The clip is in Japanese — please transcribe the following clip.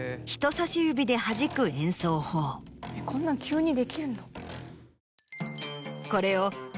こんなの急にできるんだ。